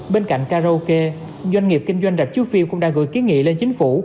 bên cạnh karaoke doanh nghiệp kinh doanh rạp chiếu phiêu cũng đã gửi ký nghị lên chính phủ